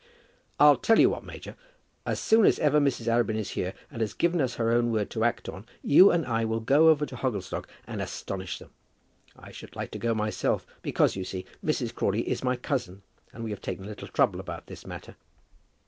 "And I'll tell you what, major; as soon as ever Mrs. Arabin is here, and has given us her own word to act on, you and I will go over to Hogglestock and astonish them. I should like to go myself, because, you see, Mrs. Crawley is my cousin, and we have taken a little trouble about this matter."